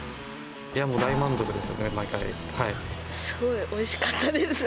いやもう、すごいおいしかったです。